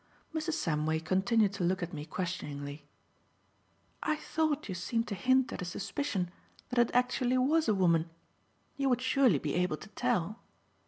Mrs. Samway continued to look at me questioningly. "I thought you seemed to hint at a suspicion that it actually was a woman. You would surely be able to tell."